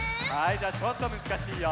じゃちょっとむずかしいよ。